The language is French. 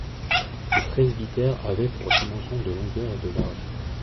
Ce presbytère avait pour dimensions de longueur et de large.